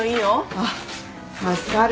あっ助かる。